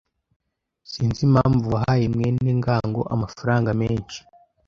Sinzi impamvu wahaye mwene ngango amafaranga menshi.